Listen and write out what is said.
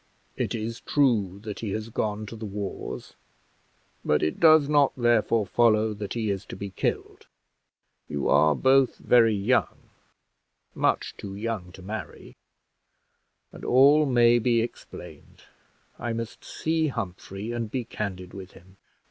It is true that he has gone to the wars, but it does not therefore follow that he is to be killed. You are both very young much too young to marry and all may be explained. I must see Humphrey and be candid with him.".